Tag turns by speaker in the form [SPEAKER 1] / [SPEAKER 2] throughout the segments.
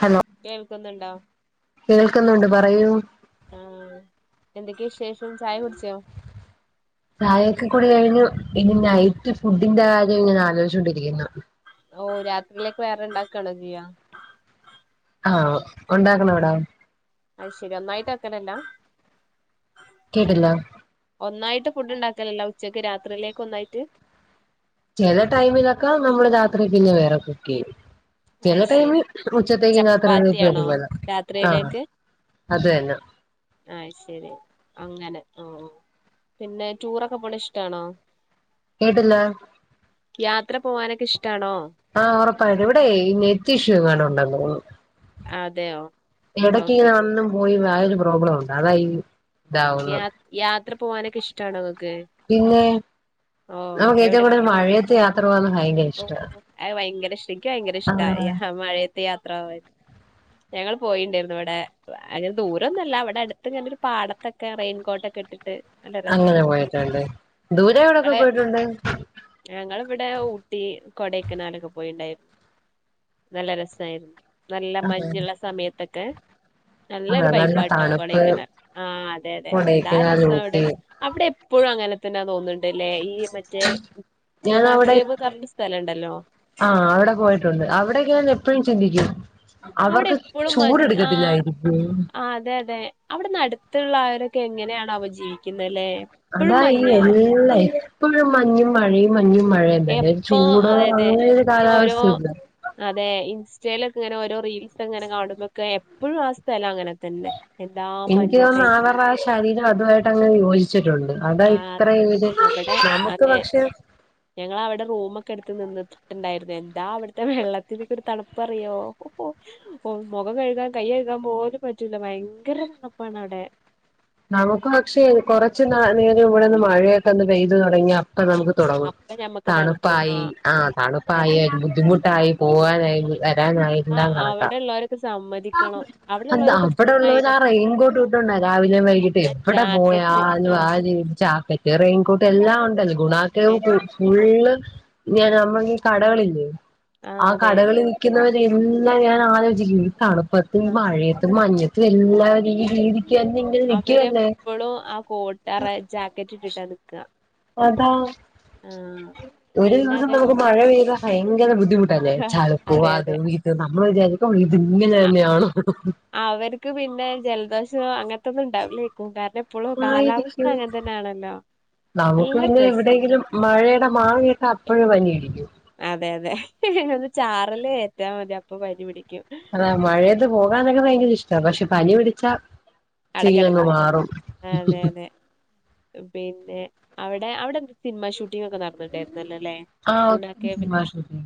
[SPEAKER 1] Hello.
[SPEAKER 2] കേൾക്കുന്നുണ്ടോ?
[SPEAKER 1] കേൾക്കുന്നുണ്ട് പറയൂ.
[SPEAKER 2] ആഹ് എന്തൊക്കെ വിശേഷം? ചായ കുടിച്ചോ?
[SPEAKER 1] ചായക്കൊ കുടി കഴിഞ്ഞു ഇനി നൈറ്റ് ഫുഡിന്റെ കാര്യം ഇങ്ങനെ ആലോചിച്ചോണ്ടിരിക്കുന്നു.
[SPEAKER 2] ഓഹ് രാത്രിയിലേക്ക് വേറെണ്ടാക്കാണോ ചെയ്യാ?
[SPEAKER 1] ആഹ് ഉണ്ടായിരുന്നെടാ
[SPEAKER 2] അയ് ശെരി ഒന്നായിട്ട് വെക്കലല്ലാ?
[SPEAKER 1] കേടില്ല.
[SPEAKER 2] ഒന്നായിട്ട് ഫുഡ്ണ്ടാക്കലല്ല ഉച്ചയ്ക്ക് രാത്രിയിലേക്ക് ഒന്നായിട്ട്.
[SPEAKER 1] ചെല ടൈമിലൊക്കെ നമ്മള് രാത്രി പിന്നെ വേറെ കുക് ചെയ്യും.
[SPEAKER 2] അത്
[SPEAKER 1] ചെല
[SPEAKER 2] ശരി
[SPEAKER 1] ടൈമിൽ ഉച്ചത്തേക്ക് രാത്രി തേലും
[SPEAKER 2] ചപ്പാത്തിയാണോ
[SPEAKER 1] ഒരുപോലെ ആഹ്
[SPEAKER 2] രാത്രിയിലേക്ക്
[SPEAKER 1] അത് തന്നെ.
[SPEAKER 2] ആയ് ശരി അങ്ങനെ ആഹ് പിന്നെ ടൂറൊക്കെ പോണ ഇഷ്ടാണോ?
[SPEAKER 1] കേട്ടില്ല.
[SPEAKER 2] യാത്ര പോവാനൊക്കെ ഇഷ്ടാണോ?
[SPEAKER 1] ആഹ് ഒറപ്പായിട്ടും ഇവിടെ നെറ്റിഷ്യു എങ്ങാണ്ട് ഉണ്ടെന്ന് തോന്നുന്നു.
[SPEAKER 2] അതെയോ?
[SPEAKER 1] ഇടക്ക്
[SPEAKER 2] ഓക്കെ
[SPEAKER 1] ഇങ്ങനെ വന്നും പോയി വരുന്ന പ്രോബ്ലം മുണ്ട് അതായി.
[SPEAKER 2] യാ യാത്ര പോകാനൊക്കെ ഇഷ്ടാണോ ഇങ്ങക്ക്.
[SPEAKER 1] പിന്നെ.
[SPEAKER 2] ഓ
[SPEAKER 1] നമുക്ക് ഏറ്റവും
[SPEAKER 2] എവിടൊക്കെ
[SPEAKER 1] കൂടുതൽ
[SPEAKER 2] പോയി
[SPEAKER 1] മഴയത്ത് യാത്ര പോകാൻ ഭയങ്കര
[SPEAKER 2] ഓ
[SPEAKER 1] ഇഷ്ടമാണ്
[SPEAKER 2] അഹ് ഭയങ്കര ഇഷ്ട ഇക്ക് ഭയങ്കര ഇഷ്ട
[SPEAKER 1] ആഹ്
[SPEAKER 2] മഴയത് യാത്ര പോവാൻ. ഞങ്ങള് പോയിണ്ടായിരുന്നു ഇവിടെ അങ്ങനെ ദൂരൊന്നുമല്ല ഇവിടെ അടുത്ത് ഇങ്ങനെൊരു പാട ത്തൊക്കെ റെയിൻ കോട് ഒക്കെ ഇട്ടിട്ട്. നല്ല
[SPEAKER 1] അങ്ങനെ
[SPEAKER 2] രസാണ്
[SPEAKER 1] പോയിട്ടുണ്ട് ദൂരെ എവിടൊക്കെ
[SPEAKER 2] നിങ്ങള്
[SPEAKER 1] പോയിട്ടുണ്ട്?
[SPEAKER 2] ഞങ്ങളിവിടെ ഊട്ടി കൊടക്കനാലൊക്കെ പോയി ട്ട്ണ്ടായിരുന്നു. നല്ല രസായിരുന്നു നല്ല
[SPEAKER 1] അതെ
[SPEAKER 2] മഞ്ഞുള്ള സമയത്തൊക്കെ.
[SPEAKER 1] അതെ
[SPEAKER 2] നല്ലൊരു
[SPEAKER 1] നല്ല
[SPEAKER 2] വൈബാട്ടോ
[SPEAKER 1] തണുപ്പ്
[SPEAKER 2] കൊടയ്ക്കനാല് ആഹ് അതെ അതെ എന്താ
[SPEAKER 1] കൊടൈക്കനാൽ
[SPEAKER 2] രസം അവിടെ?
[SPEAKER 1] ഊട്ടി
[SPEAKER 2] അവിടെ എപ്പഴും അങ്ങനെ തന്നെ തോന്ന്ണ്ട്ല്ലേ? ഈ മറ്റേ
[SPEAKER 1] ഞാൻ അവിടെ
[SPEAKER 2] കുണാക്കേവ് പറഞ്ഞ ഒരു സ്ഥലണ്ടല്ലോ?
[SPEAKER 1] ആഹ് അവിടെ പോയിട്ടുണ്ട് അവിടെയൊക്കെ ഞാൻ എപ്പഴും ചിന്തിക്കും.
[SPEAKER 2] അവിടെ
[SPEAKER 1] അവർക്ക്
[SPEAKER 2] എപ്പളും മഞ്ഞ് ആഹ്
[SPEAKER 1] ചൂടെടുക്കത്തില്ലായിരിക്കും
[SPEAKER 2] ആഹ് അതെ അതെ. അവിടെ അടുത്തുള്ളവരൊക്കെ എങ്ങനെയാണാവോ ജീവിക്കുന്നത്‌ലേ
[SPEAKER 1] അതാ ഈ എല്ല എപ്പഴും മഞ്ഞും. മഴയും മഞ്ഞും മഴയും തന്നെ ഒരു
[SPEAKER 2] എപ്പൊ
[SPEAKER 1] ചൂടോ
[SPEAKER 2] അതെ അതെ
[SPEAKER 1] അങ്ങനെ ഒരു
[SPEAKER 2] ഈ ഓരോ
[SPEAKER 1] കാലാവസ്ഥയില്ല.
[SPEAKER 2] അതെ ഇൻസ്റ്റയിലൊക്കെ ഇങ്ങനെ ഓരോ റീൽസ് ഇങ്ങനെ കാണുമ്പക്കെ എപ്പഴും ആഹ് സ്ഥലം അങ്ങനെ തന്നെ. എന്താ
[SPEAKER 1] എനിക്ക്
[SPEAKER 2] മഞ്ഞൊക്കെ
[SPEAKER 1] തോന്നുന്നു
[SPEAKER 2] ആയി
[SPEAKER 1] ആവറാ ശരീരം അതുമായിട്ട് അങ്ങനെ യോജിച്ചിട്ടുണ്ട് അതാ
[SPEAKER 2] ആ
[SPEAKER 1] ഇത്രയും ഇത് നമുക്ക് പക്ഷേ
[SPEAKER 2] ഞങ്ങളവടെ റൂമൊക്കെ എടുത്ത് നിന്ന് ട്ടുണ്ടായിരുന്നേ എന്താ അവിടുത്തെ വെള്ളത്തിനൊക്കൊ ഒരു തണുപ്പറിയോ ഓഹ് ഓഹ് മുഖം കഴുകാൻ കൈ കഴുകാൻ പോലും പറ്റൂല ഭയങ്കര തണ്പ്പാണ് ഔടെ
[SPEAKER 1] നമുക്ക് പക്ഷേ കൊറച്ച് നാ നേരം ഇവിടെന്ന് മഴയൊക്കെന്ന് പെയ്തു തുടങ്ങിയാ അപ്പ് പ്പൊ നമുക്ക് തൊടങ്ങും
[SPEAKER 2] അപ്പൊ ഞമ്മക്ക് തണുക്കും
[SPEAKER 1] തണുപ്പായി ആ
[SPEAKER 2] അതെ.
[SPEAKER 1] തണുപ്പായി ബുദ്ധിമുട്ടായി പോവാനായി വരാനായി
[SPEAKER 2] ആ
[SPEAKER 1] എല്ലാം കണക്കാ
[SPEAKER 2] അവിടെ ഉള്ളവരൊക്കെ സമ്മതിക്കണം അവിടെ
[SPEAKER 1] എന്താ
[SPEAKER 2] ഉള്ളവരൊക്കെ ഫുൾ
[SPEAKER 1] ഇവിടെള്ളോര്
[SPEAKER 2] അയിന്
[SPEAKER 1] ആ റെയിൻകോട്ട് ഇട്ടൊണ്ടാ രാവിലെം വൈകിട്ടെ
[SPEAKER 2] ആ
[SPEAKER 1] എവടെ
[SPEAKER 2] ജാക്കറ്റ്
[SPEAKER 1] പോയാലും ആ ജിൻ ചാക്കറ്റ് റെയിൻകോട്ട് എല്ലാം ഉണ്ടൽ ഗുണാകേവ്
[SPEAKER 2] ഏ,
[SPEAKER 1] ഫു ഫുള്ള് ഫുള്ള് ഞാനമ്മക്കീ കടകളില്ലേ ആ കടകളിൽ ക്കുന്നവരെ എല്ലാം ഞാൻ ആലോചിക്കും ഈ തണുപ്പത്തും
[SPEAKER 2] ആ
[SPEAKER 1] ഈമഴയത്തും മഞ്ഞത്തും എല്ലാരും ഈ രീതിക്കെന്നെ ഇങ്ങനെ നിക്
[SPEAKER 2] ഇവരെപ്പളും ആ കോട്ട് ആ റാ ജാക്കറ്റ്ട്ടിട്ടാ നിക്കാ
[SPEAKER 1] അതാ
[SPEAKER 2] ആഹ്
[SPEAKER 1] ഒരു
[SPEAKER 2] പിന്നെ
[SPEAKER 1] ദിവസം
[SPEAKER 2] അതേപോലെ
[SPEAKER 1] നമുക്ക് മഴ പെയ്താ ഭയങ്കര ബുദ്ധിമു ല്ലെ ചളുപ്പും
[SPEAKER 2] അതെ അതെ
[SPEAKER 1] അതും ഇതും നമ്മള് വിചാരിക്കും ഇത്
[SPEAKER 2] അ
[SPEAKER 1] ഇങ്ങനെന്നെയാണോ
[SPEAKER 2] അവർക്ക് പിന്നെ ജലദോഷോ അങ്ങനത്തൊന്നും ണ്ടാവുലേക്കും കാരണം പ്പളും കാലാവസ്ഥ
[SPEAKER 1] ആയിരിക്കും
[SPEAKER 2] അങ്ങൻ തന്നെയാണല്ലോ
[SPEAKER 1] നമുക്ക്
[SPEAKER 2] നല്ല
[SPEAKER 1] പിന്നെ
[SPEAKER 2] രസാ
[SPEAKER 1] എവിടെയെങ്കിലും മഴയുടെ മാകേട്ട അപ്പഴെ പനി പിടിക്കും
[SPEAKER 2] അതെ അതെ ഒന്ന് ചാറല് ഏറ്റാ മതി അപ്പൊ പനി പിടിക്കും
[SPEAKER 1] താണ് മഴയത്ത് പോകാനൊക്കെ ഭയങ്കര ഇഷ്ടാ പക്ഷെ പനി പിടിച്ചാ
[SPEAKER 2] അവിടെ
[SPEAKER 1] സീനങ്ങ്
[SPEAKER 2] കിടന്ന്
[SPEAKER 1] മാറും
[SPEAKER 2] അതെ അതെ പിന്നെ അവിടെ അവിടെ ന്താ സിനിമ ഷൂട്ടിങ്ങൊക്കെ നട
[SPEAKER 1] ആഹ് ഒത്തിരി സിനിമാ ഷൂട്ടിംഗ്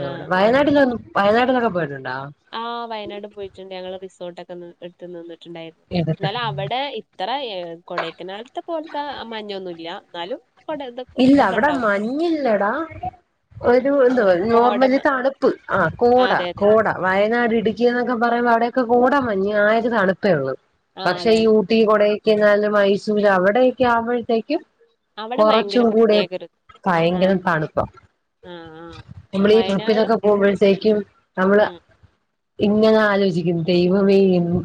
[SPEAKER 2] ആഹ്
[SPEAKER 1] വയനാട്ടിലൊന്നും വയനാട്ടിലൊക്കെ പോയിട്ടുണ്ടോ
[SPEAKER 2] ആഹ് വയനാട് പോയിട്ടുണ്ട് ഞങ്ങള് റിസോർട്ടൊക്കൊന്ന് എട്ത്ത് നിന്നിട്ടുണ്ടായിരുന്നു ന്നാല് അവടെ ഇ ത്രെ ഏഹ് കൊടെയ്ക്കനാൽത്തെ പോൽത്തെ മഞ്ഞൊന്നുംല്ല ന്നാലും
[SPEAKER 1] ഇല്ല അവടെ മഞ്ഞില്ലെടാ ഒരു എന്തുവാ
[SPEAKER 2] ഓട
[SPEAKER 1] നോർമലി തണുപ്പ് ആഹ് കോട
[SPEAKER 2] അതെ അതെ
[SPEAKER 1] കോട വയനാട് ഇടുക്കിന്നൊക്കെ പറയുമ്പോ അവിടെയൊക്കെ കോട മഞ്ഞ് ആ ഒര് തണുപ്പേയൊള്ളൂ
[SPEAKER 2] ആ
[SPEAKER 1] പക്ഷേ
[SPEAKER 2] അതെ
[SPEAKER 1] ഈ
[SPEAKER 2] അതെ
[SPEAKER 1] ഊ ട്ടി കൊടയ്ക്കനാല് മൈസൂര് അവിടെയൊക്കെ ആവുമ്പഴത്തേക്കും
[SPEAKER 2] അവിടെ ഭയ
[SPEAKER 1] ചൂട് ഭയങ്കരം തണുപ്പാ
[SPEAKER 2] ആഹ് ആഹ്
[SPEAKER 1] നമ്മളീ ട്രിപ്പിനൊക്കെ പോകുമ്പോഴത്തേക്കും നമ്മള്
[SPEAKER 2] ഉം
[SPEAKER 1] ഇങ്ങനെ ആലോചിക്കും ദൈവമേ എന്നും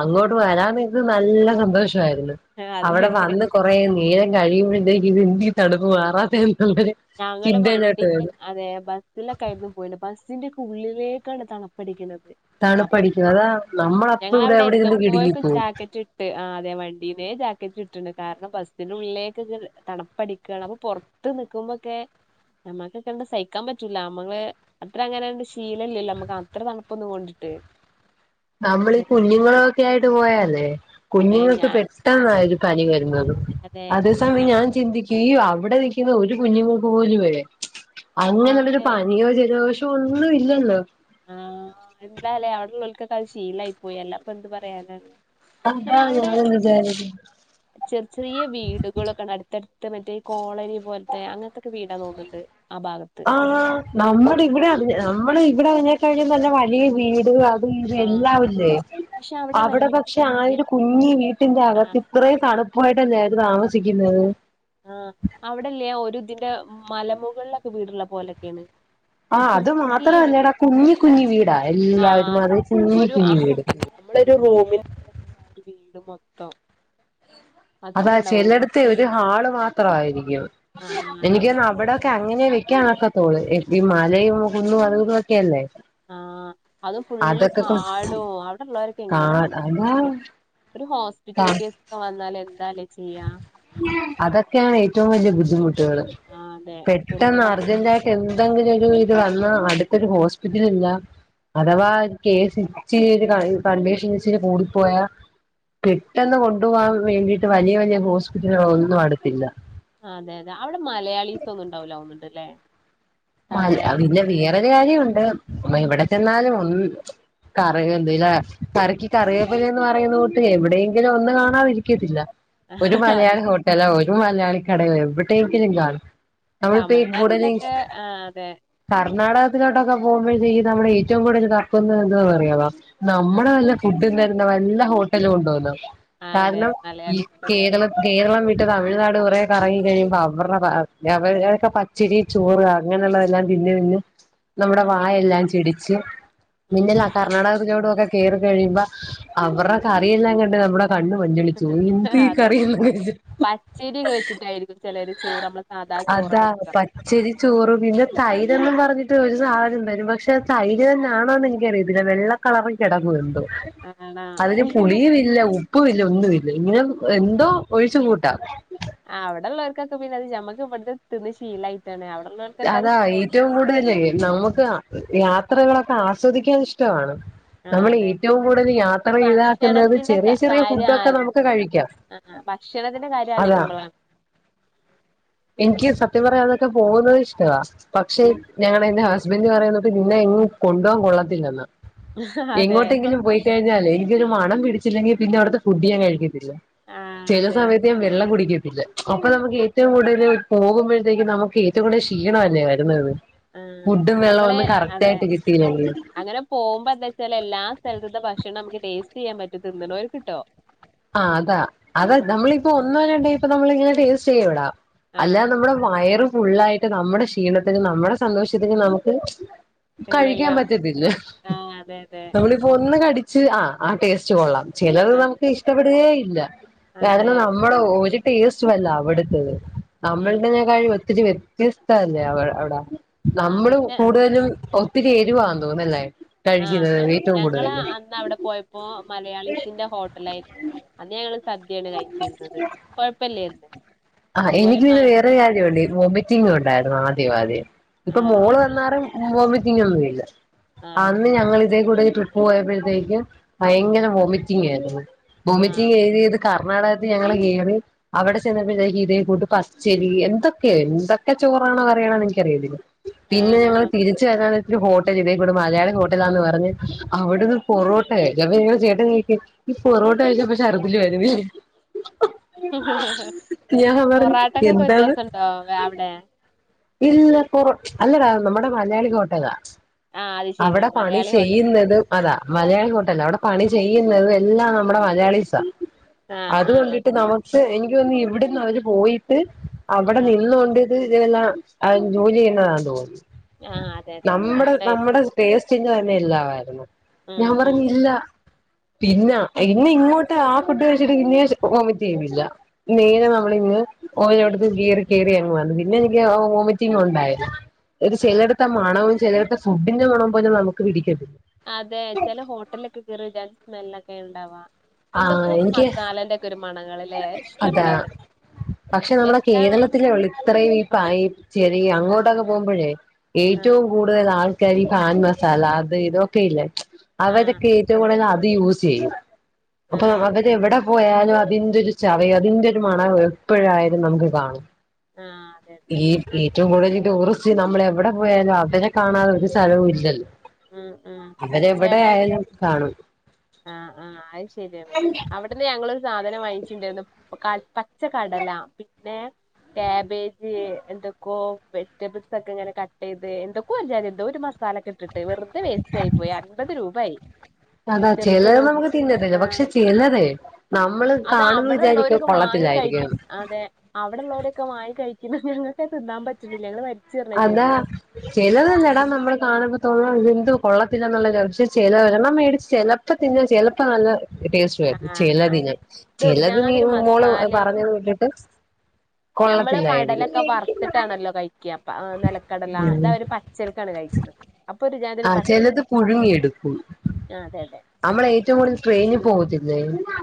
[SPEAKER 1] അങ്ങോട്ട് വരാൻ വേണ്ടീട്ട് നല്ല സന്തോഷവായിരുന്നു
[SPEAKER 2] ആ, അതെ
[SPEAKER 1] അവിടെ വന്ന് കൊറേ നേരം കഴിയുമ്പൊഴത്തേക്ക് ഇത് എന്തേ ഈ തണുപ്പ് മാറാത്തെ ന്ന് ള്ളര്
[SPEAKER 2] ഞങ്ങള് വണ്ടിത്തെ അതെ ബ സ്സിലൊക്കായിരുന്നു പോയിന്നെ ബസ്സിന്റെക്കെ ഉള്ളിലേക്കാണ് തണുപ്പടിക്കുന്നത് അപ്പം
[SPEAKER 1] തണുപ്പടിക്കും അതാ നമ്മളപ്പ ഇവിടെ
[SPEAKER 2] ഞങ്ങളവിടെ
[SPEAKER 1] എവിടെ ഇരുന്ന്
[SPEAKER 2] എത്തുമ്പോഴേക്കും
[SPEAKER 1] കിടുങ്ങിപ്പോവും
[SPEAKER 2] ജാക്കറ്റ് ട്ട് ആ അതെ വണ്ടീന്നേ ജാക്കറ്റ് ഇട്ട്ണ് കാരണം ബസ്സിനുള്ളിലേക്ക്ങ്ങട് തണുപ്പടിക്കാണ് അപ്പൊ പൊർ ത്ത് നിക്കുമ്പൊക്കെ നമ്മക്കൊ ക്കാണ്ട് സഹിക്കാൻ പറ്റൂല അമ്മളെ അത്ര അങ്ങനണ്ട് ശീലല്ലല്ലൊ അമ്മക്ക് അത്ര തണുപ്പൊന്നും കൊണ്ട്ട്ട്
[SPEAKER 1] നമ്മളീ കുഞ്ഞുങ്ങളൊക്കെ ആയിട്ട് പോയാലേ
[SPEAKER 2] അതെ
[SPEAKER 1] കുഞ്ഞുങ്ങൾക്ക്
[SPEAKER 2] ഞാൻ
[SPEAKER 1] പെട്ടെന്നായിരു പനി വരുന്നത്
[SPEAKER 2] അതെ
[SPEAKER 1] അത് സമയം ഞാൻ ചിന്തിക്കും ഈ അവിടെ നിൽക്കുന്ന ഒരു കുഞ്ഞുങ്ങക്ക് പോലുവേ അങ്ങനെള്ളൊരു
[SPEAKER 2] ആകെ
[SPEAKER 1] പനിയോ ജലദോഷോ ഒന്നും ഇല്ലല്ലോ
[SPEAKER 2] ആ എന്താലേ അവിടെ ഇള്ളോൽക്കൊക്കെ അത് ശീലായി പോയി അല്ലാപ്പ എന്ത് പറയാനാണ്
[SPEAKER 1] അതാ ഞാനും വിചാരിക്കുന്നെ
[SPEAKER 2] ചെറി ചെറിയ വീടുകളൊക്കാണ് അട്ത്തട്ത്ത മറ്റേ ഈ കോളനി പോലത്തെ അങ്ങനത്തൊക്കെ വീടാ തോന്ന്ണ്ട് ആ ഭാഗത്ത്
[SPEAKER 1] ആഹ് നമ്മടെ ഇവിടെ അതെ നമ്മടെ ഇവിടെ അങ്ങനത്തെ കാര്യമെന്ന് പറഞ്ഞാൽ വലിയ വീടുകളാ ഇത്
[SPEAKER 2] ആ
[SPEAKER 1] എല്ലാം ഇല്ലേ
[SPEAKER 2] പക്ഷെ
[SPEAKER 1] അവിടെ
[SPEAKER 2] വല്യ
[SPEAKER 1] പക്ഷെ ആ ഒരു
[SPEAKER 2] വീട്
[SPEAKER 1] കുഞ്ഞി വീട്ടിന്റെ
[SPEAKER 2] ആ
[SPEAKER 1] അകത്ത് ഇത്രേയും തണുപ്പായിട്ടല്ലേ അവര് താമസിക്കുന്നത്
[SPEAKER 2] ആഹ് അവിടല്ലേ ഒരു ഇതിന്റെ മലമുകളിലൊക്കെ വീട്ള്ള പോലൊക്കെയാണ്
[SPEAKER 1] ആഹ് അത് മാത്രല്ലെടാ കുഞ്ഞി കുഞ്ഞി വീടാ എല്ലാവരും അതെ കുഞ്ഞി കുഞ്ഞി വീട്
[SPEAKER 2] നമ്മടെ ഒരു റൂമിന്റെ [unintelligible] ആ ഒരു വീട് മൊത്തം
[SPEAKER 1] അതാ
[SPEAKER 2] അത്രേ ഉണ്ടാവുള്ളൂ
[SPEAKER 1] ചെലട്ത്ത് ഒരു ഹാള് മാത്രവായിരിക്കും
[SPEAKER 2] ആഹ് അതെ
[SPEAKER 1] എനിക്ക് തോന്ന് അവിടെ ക്കെ അങ്ങനെ വെക്കാൻ ഒക്കത്തൊള്ളൂ ഈ മലയും കുന്നും അതും ഇതും ഒക്കെ അല്ലേ
[SPEAKER 2] ആഹ് അത് ഫുള്ള് കാടു അവിടെള്ളോരൊക്കെ
[SPEAKER 1] കാ
[SPEAKER 2] എങ്ങനെയണാവോ
[SPEAKER 1] അതാ
[SPEAKER 2] [unintelligible] ഒരു ഹോസ്പിറ്റൽ കേസൊക്കെ വന്നാല് എന്താല്ലേ ചെയ്യ
[SPEAKER 1] അതൊക്കെയാണ് ഏറ്റവും വലിയ ബുദ്ധിമുട്ടുകള്
[SPEAKER 2] ആഹ് അതെ ചെറിയ
[SPEAKER 1] പെട്ടെന്ന്
[SPEAKER 2] മക്ക
[SPEAKER 1] അർജന്റായി എന്തെങ്കിലും ഒരു ഇത് വന്നാ അടുത്തൊരു ഹോസ്പിറ്റല് ഇല്ല അഥവാ കേസ് ഇച്ചിരി കൺവേഷനിച്ചിരി കൂടിപ്പോയാ പെട്ടെന്ന് കൊണ്ടുപോവാൻ വേണ്ടിട്ട് വലിയ വലിയ ഹോസ്പിറ്റലുകള് ഒന്നും അടുത്തില്ല
[SPEAKER 2] അതെ അതെ അവിടെ മലയാളീസ് ഒന്നും ണ്ടാവുല്ല തോന്നുന്നുണ്ട് ല്ലേ
[SPEAKER 1] മല പിന്നെ വേറൊരു കാര്യമൊണ്ട് എവിടെ ചെന്നാലും ഒന്ന് കറി വേപ്പ് ഇല കറിക്ക് കറിവേപ്പലി എന്ന് പറയുന്ന കൂട്ട് എവിടെയെങ്കിലും ഒന്ന് കാണാതിരിക്കത്തില്ല ഒരു
[SPEAKER 2] അത്
[SPEAKER 1] മലയാളി ഹോട്ടലോ ഒരു മലയാളി കടയോ എവിടെയെങ്കിലും കാണും നമ്മളിപ്പോ കൂടെന്
[SPEAKER 2] തമിഴ്നാട്ടിലൊക്കെ ആഹ് അതെ
[SPEAKER 1] കർണാടകത്തിലോട്ടൊക്കെ പോകുമ്പോഴത്തേക്കും നമ്മുടെ ഏറ്റവും കൂടുതൽ തപ്പുന്നേ എന്തുവാന്ന് അറയാവോ
[SPEAKER 2] ആഹ്
[SPEAKER 1] നമ്മള് നല്ല ഫുഡും തരുന്ന വല്ല ഹോട്ടലും ഉണ്ടോന്ന്
[SPEAKER 2] അതെ
[SPEAKER 1] കാരണം
[SPEAKER 2] അതെ
[SPEAKER 1] ഈ
[SPEAKER 2] മലയാളീസ്
[SPEAKER 1] കേരളത്തി കേരളം വിട്ട് തമിഴ്നാട് കുറെ കറങ്ങി കഴിയുമ്പോ അവരുടെ അവരൊക്കെ പച്ചരി ചോറ് അങ്ങനുള്ളതെല്ലാം തിന്ന് തിന്ന് നമ്മുടെ
[SPEAKER 2] ആഹ്
[SPEAKER 1] വായെല്ലാം ചെടിച്ച്
[SPEAKER 2] ഉം
[SPEAKER 1] പിന്നല്ലോ
[SPEAKER 2] ഉം
[SPEAKER 1] കർണ്ണാടകത്തിലോട്ടെക്കെ കേറി കഴിയുമ്പോ അവരടെ കറിയെല്ലാം കണ്ട് നമ്മടെ കണ്ണ് മഞ്ഞളിച്ചു പോകും എന്ത് ഈ കറിയെന്ന് വെച്ച്
[SPEAKER 2] പച്ചേരിയെക്കെ വെച്ചിട്ടായിരിക്കും ചിലരു ചോറ് നമ്മള് സാധാ
[SPEAKER 1] അതാ
[SPEAKER 2] ചോറൊക്കെ വെക്കുക
[SPEAKER 1] പച്ചരി ചോറ് പിന്നെ തൈരന്നും പറഞ്ഞിട്ടും ഒരു സാധനം തരും പക്ഷെ തൈര് തന്നെയാണോന്ന് എനിക്കറിയത്തില്ല വെള്ള കളറിൽ കിടക്കും എന്തോ
[SPEAKER 2] ആണോ
[SPEAKER 1] അതിന് പുളിയും ഇല്ല ഉപ്പ ഉപ്പും ഇല്ല ഒന്നും ഇല്ല ഇങ്ങനെ എന്തോ ഒഴിച്ചു കൂട്ടാം
[SPEAKER 2] ആഹ് അവിടെ ഉള്ളവർക്കൊക്കെ പിന്നെ അത് നമ്മക്ക് ഇവിടുത്തെ തിന്ന് ശീലമായിട്ടാണ് അവിടെള്ളവർക്ക്
[SPEAKER 1] അതാ ഏറ്റവും കൂടുതലെ നമുക്ക് യാത്രകളൊക്കെ ആസ്വദിക്കാൻ ഇഷ്ടമാണ്
[SPEAKER 2] ആ
[SPEAKER 1] നമ്മള്
[SPEAKER 2] അതെ
[SPEAKER 1] ഏറ്റവും കൂടുതൽ യാത്ര
[SPEAKER 2] ഈ
[SPEAKER 1] ഇതാക്കുന്നത്
[SPEAKER 2] ഭക്ഷണത്തിന്റെ
[SPEAKER 1] ചെറിയ ചെറിയ ഫുഡ് ഒക്കെ നമുക്ക് കഴിക്കാം
[SPEAKER 2] ആഹ് ഭക്ഷണത്തിന്റെ കാര്യം
[SPEAKER 1] അതാ
[SPEAKER 2] ആലോചിക്കുമ്പോഴാണ്
[SPEAKER 1] എനിക്ക് സത്യം പറഞ്ഞാ അവിടെയൊക്കെ പോകുന്നത് ഇഷ്ടവാ പക്ഷെ
[SPEAKER 2] ഉം
[SPEAKER 1] ഞങ്ങള് എന്റെ ഹസ് ഹസ്ബൻഡ് പറയണേ നിന്നെ എങ്ങും കൊണ്ടു പോവാൻ കൊള്ളത്തില്ലന്ന്
[SPEAKER 2] അതെ
[SPEAKER 1] എങ്ങോട്ടെങ്കിലും പോയി കഴിഞ്ഞാലേ എനിക്കൊരു മണം പിടിച്ചില്ലെങ്കിൽ പിന്നെ അവിടുത്തെ ഫുഡ് ഞാൻ കഴിക്കത്തില്ല
[SPEAKER 2] ആ
[SPEAKER 1] ചില
[SPEAKER 2] അതെ
[SPEAKER 1] സമയത്ത് വെള്ളം കുടിക്കത്തില്ല അപ്പോ നമുക്ക് ഏറ്റവും കൂടുതല് പോകുമ്പഴേത്തേക്ക് നമുക്ക് ഏറ്റവും കൂടുതൽ ഇഷ് ക്ഷീണല്ലേ വരുന്നത്
[SPEAKER 2] ആ
[SPEAKER 1] ഫുഡും വെള്ളവും
[SPEAKER 2] നമ്മള്
[SPEAKER 1] ഒന്നും കറക്റ്റ്
[SPEAKER 2] അതെ
[SPEAKER 1] ആയിട്ട് കിട്ടിയില്ലെങ്കിൽ
[SPEAKER 2] അങ്ങനെ പോകുമ്പോ എന്താന്ന് വെച്ചാ എല്ലാ സ്ഥലത്തെത്തയും ഭക്ഷണം നമുക്ക് ടേസ്റ്റ് ചെയ്യൻ പറ്റും തിന്നണോ വയർക്ക് ട്ടോ
[SPEAKER 1] ആഹ് അതാ നമ്മളിപ്പോ ഒന്നോ രണ്ടോ ഇപ്പോൾ നമ്മള് ഇങ്ങനെ ടേസ്റ്റ് ചെയ്യു ടാ
[SPEAKER 2] ആ
[SPEAKER 1] അല്ലാതെ നമ്മുടെ വയറ് ഫുള്ളായിട്ട് നമ്മുടെ ക്ഷീണത്തിനും നമ്മുടെ സന്തോഷത്തിനും നമുക്ക്
[SPEAKER 2] ഇല്ലല്ല
[SPEAKER 1] കഴിക്കാൻ പറ്റത്തില്ല
[SPEAKER 2] ആ അതെ അതെ
[SPEAKER 1] നമ്മള് ഒന്ന് കടിച്ച് ആഹ് ആ ടേസ്റ്റ് കൊള്ളാം ചിലത്
[SPEAKER 2] ആ
[SPEAKER 1] നമുക്ക് ഇഷ്ടപ്പെടുകേ ഇല്ല
[SPEAKER 2] അതെ
[SPEAKER 1] കാരണം നമ്മ നമ്മളെ ഒരു ടേസ്റ്റും അല്ല അവിടുത്തത്
[SPEAKER 2] ഉം
[SPEAKER 1] നമ്മളടെതിനെക്കാട്ടിലും ഒത്തിരി വ്യത്യസ്ത അല്ലേ അവി അവിടെ
[SPEAKER 2] ആ
[SPEAKER 1] നമ്മള്
[SPEAKER 2] പക്ഷെ
[SPEAKER 1] കൂടുതലും ഒത്തിരി എരുവാന്ന് തോന്നുന്നല്ലേ
[SPEAKER 2] ആഹ്
[SPEAKER 1] കഴിക്കുന്നത്
[SPEAKER 2] ഞ
[SPEAKER 1] ഏറ്റവും
[SPEAKER 2] ഞങ്ങള്
[SPEAKER 1] കൂടുതലും
[SPEAKER 2] അന്ന് അവിടെ പോയപ്പോ മലയാളീസിന്റെ ഹോട്ടലിൽ ആയിരുന്നു അന്ന് ഞങ്ങള് സദ്യയാണ് കഴിച്ചിരുന്നത് കുഴപ്പില്ലന്ന് ഇതുപോലെ
[SPEAKER 1] കാര്യ വൊമിറ്റിംഗ് ഉണ്ടായിരുന്നു ആദ്യം ആദ്യം ഇപ്പൊ
[SPEAKER 2] ആണോ
[SPEAKER 1] മോള് വന്നാറും വോമിറ്റിംഗ ഒന്നും ഇല്ല
[SPEAKER 2] ആഹ്
[SPEAKER 1] അന്ന്
[SPEAKER 2] ശരി
[SPEAKER 1] ഞങ്ങിതേ കൂടെ പോയപ്പോഴത്തേക്കും ഭയങ്കര വോമിറ്റിംങ്‌ ആയിരുന്നു
[SPEAKER 2] ആഹ്
[SPEAKER 1] വോമിറ്റിങ് എഴുതിത് എർണാടകത്ത് ഞങ്ങള്ൾ കേീറി [unintelligible] അവിടെ ചെന്നപ്പോതേക്ക് ഇതേ കൂട്ട് പച്ചരി എന്തൊക്കെയോ എന്തൊക്കെ ചോറാണോ അറിയണ എനിക്കറിയത്തില്ല പിന്നെ
[SPEAKER 2] ആണോ
[SPEAKER 1] ഞങ്ങൾപി ഒരു ഹോട്ടൽ ഇതേ കൂടെ മലയാളി ഹോട്ടലാന്ന് പറഞ്ഞ് അവിടുന്ന് പൊറോട്ട അപ്പ നിങ്ങങ്ങള് ചേട്ട കേക്ക് [unintelligible] ഈ പൊറോട്ട കഴിച്ചപ്പോ ഷർഡിൽ വരുന്നില്ലേ ഞാൻ പറഞ്ഞ്
[SPEAKER 2] പൊറാട്ടക്കൊക്കെ
[SPEAKER 1] എന്താന്ന്
[SPEAKER 2] വ്യത്യാസണ്ടോ അവിടെ
[SPEAKER 1] ഇല്ല പുറ അല്ലഡാ നമ്മടെ മലയാളി ഹോട്ടലാ
[SPEAKER 2] ആഹ് അത് ശരിയാ
[SPEAKER 1] അവടെ പണി
[SPEAKER 2] മലയാളി ഹോട്ടല്
[SPEAKER 1] ചെയ്യുന്നത് അതാ മലയാളി ഹോട്ടലാ അവിടെ പണിചെയ്യുന്നുന്നതും എല്ലാം നമ്മുടെ മലയാളീസാ
[SPEAKER 2] ആഹ് ആഹ്
[SPEAKER 1] അതുകൊണ്ടിട്ട് നമുക്ക് എനിക്കുതോന്നി ഇവിടന്ന് അവര് പോയിട്ട് അവിടെ
[SPEAKER 2] ആഹ് ആഹ്
[SPEAKER 1] നിന്നൊണ്ട് ഇതല്ലാം അ ജോലി ചെയ്യുന്നതാണ് തോന്നുന്നു
[SPEAKER 2] ആഹ് അതെ അതെ
[SPEAKER 1] നമ്മടെ
[SPEAKER 2] അങ്ങനായിരിക്കും
[SPEAKER 1] നമ്മടെ ടേസ്റ്റിന്റെ തന്നെ ഇല്ലാവാരുന്നു
[SPEAKER 2] ഉം
[SPEAKER 1] ഞാൻ പറഞ്ഞ് ഇല്ല പിന്നാ
[SPEAKER 2] ഉം
[SPEAKER 1] ഇനി ഇങ്ങോ ആ ഫുഡ്കഴിച്ചിട്ട് ഇന്നേരെ വോമിറ്റ്ചെയ്യുന്നില്ല നേരെ നമ്മളിന്ന് ഓയൊടുത്ത് കേറി കേറി ഇറങ്ങുവാണ് പിന്നെ എനിക്ക് ഓ റ്റിംഗ് ഒണ്ടായി
[SPEAKER 2] ആഹ്
[SPEAKER 1] ചെലടത്തെ മണവും ചെലടത്തെ ഫുഡിന്റെ മണവുംപോലും നമുക്ക് പിടിക്ക
[SPEAKER 2] അതെ ചെല ഹോട്ടലിലൊക്കെ കയറിച്ചാൽ സ്മെല്ലൊക്കെ ഉണ്ടാവാ
[SPEAKER 1] ആ
[SPEAKER 2] എന്തൊക്കോ
[SPEAKER 1] എനിക്ക്
[SPEAKER 2] മസാലേന്റേ ക്കൊരു മണങ്ങളിൽ
[SPEAKER 1] അതാ പക്ഷെ നമ്മുടെ
[SPEAKER 2] എന്താണാവോ
[SPEAKER 1] കേരളത്തിലേയുള്ളൂ ഇത്രയും ബായി ചെരിയാ അങ്ങോട്ടൊക്കെ പോകുമ്പോഴേ
[SPEAKER 2] ആഹ്
[SPEAKER 1] ഏറ്റവും കൂടുതൽ ആൾക്കാരി പാൻമസാല അത് ഇതൊക്കെ ഇല്ലേ
[SPEAKER 2] ആഹ്
[SPEAKER 1] അവരൊക്കെ ഈ ഏറ്റവും കൂടതല് അത് യൂസ് ചെയ്യും അപ്പൊ
[SPEAKER 2] ആഹ് അതെ
[SPEAKER 1] അവര് എവടെ പോയാലും അ ഇതിൻ്റൊരു ചവയും അതിന്റെ ഒരു മണവും എപ്പഴായാലും നമുക്ക് കാണും
[SPEAKER 2] ആഹ് അതെ അതെ
[SPEAKER 1] ഈ
[SPEAKER 2] ആഹ്
[SPEAKER 1] ഏറ്റവും കൂടുതല് ടൂറിസ്റ്റ് നമ്മള് എവടെ പോയാലും അവരെ കാണാതെ ഒരു സ്ഥലവും ഇല്ലല്ലോ
[SPEAKER 2] ഉം ഉം
[SPEAKER 1] അവരെവിടെ
[SPEAKER 2] ചെലര്
[SPEAKER 1] ആയാലും കാണും
[SPEAKER 2] ആഹ് ആഹ് അയ് ശെരിയാണ് അവട് തന്നെ ഞങ്ങളൊരു സാധനം വാങ്ങിച്ചിണ്ടായിരുന്നു ക പച്ച കടല പിന്നെ ക്യാബേജ് എന്തൊക് കൊ വെജിറ്റബിൾസൊക്കെ ഇങ്ങനെ കട്ട് ചെയ്ത് എന്തൊക്കോ ഒരുചാനം എന്തോ ഒരു മസാലൊക്കെ ഇട്ട് വെറുതെ വെസ്റ്റായി പോയി അൻപത് രൂപായി
[SPEAKER 1] അതാ ചിലത്
[SPEAKER 2] ചെറിയൊരു
[SPEAKER 1] നമുക്ക് തിന്നത്തില്ല
[SPEAKER 2] ആഹ്
[SPEAKER 1] പക്ഷെ ചിലതേ നമ്മള്
[SPEAKER 2] അത്
[SPEAKER 1] കാണുമ്പ വിചാരിക്കും
[SPEAKER 2] അവിടെള്ളോരൊക്കെ വാങ്ങി
[SPEAKER 1] കൊള്ളത്തില്ലായിരിക്കും
[SPEAKER 2] കഴിക്കും
[SPEAKER 1] എന്ന്
[SPEAKER 2] അതെ അവിടെ ഒള്ളോരൊക്കെ വായി കഴിക്കുന്ന ഞങ്ങക്ക് തിന്നാൻ പറ്റുന്നില്ല ഞങ്ങള് വലിച്ചെറിയാ
[SPEAKER 1] അതാ
[SPEAKER 2] ചെയ്തത്
[SPEAKER 1] ചെലതല്ലടാ നമ്മള് കാണുമ്പം തോന്നും ഇതെന്ത് കൊള്ളത്തില്ല എന്നുള്ളൊരു പക്ഷെ ചെല ഒരെണ്ണം മേടിച്ച് ചെല പ്പ തിന്നാ ചെലപ്പം നല്ല ടേസ് ക്കെ
[SPEAKER 2] ആഹ്
[SPEAKER 1] ചെലതിന്
[SPEAKER 2] അതെ ഇത് ഒരു
[SPEAKER 1] ചെലതിനി
[SPEAKER 2] ജാതി ഒരു
[SPEAKER 1] മോള്
[SPEAKER 2] മസാലയും
[SPEAKER 1] പറഞ്ഞത് വിട്ടിട്ട്
[SPEAKER 2] ഞമ്മള്
[SPEAKER 1] കൊള്ളത്തില്ലായിരിക്കും
[SPEAKER 2] കടലൊക്കെ വറുത്തി ട്ടാണല്ലോ കയിക്കപ്പ ആ നിലക്കടല
[SPEAKER 1] ഉം
[SPEAKER 2] ഇതവര് പച്ചൽക്കാണ് കഴിക്കുന്നത് അപ്പൊ ഒരു ര
[SPEAKER 1] ആഹ് ചെലത് പുഴുങ്ങി എടുക്കും
[SPEAKER 2] ആ അതെ അതെ
[SPEAKER 1] നമ്മള് ഏറ്റവും കൂടുതല് ട്രെയിനി പോവത്തില്ലേ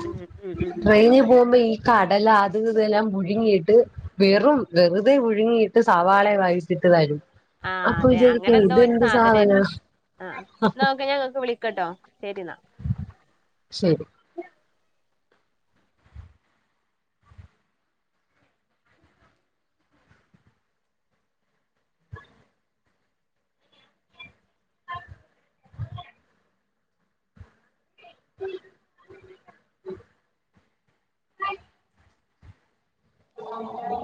[SPEAKER 2] ഉം ഉം ഉം
[SPEAKER 1] ട്രെയിനി പോമ്പയി കടല അതും ഇതുവെല്ലാം പുഴുങ്ങിട്ട് വെറും വെറുതെ പുഴുങ്ങിട്ട് സവാളെയും വായിട്ടിട്ട് തരും
[SPEAKER 2] ആ
[SPEAKER 1] അപ്പൊ വിചാരിക്കും ഇത് എന്ത് സാധനാ
[SPEAKER 2] ആഹ് എന്നാ ഓക്കെ ഞാൻ അങ്ങട്ട് വിളിക്കാട്ടോ ശെരിന്നാ
[SPEAKER 1] ശരി [inaudible] [inaudible]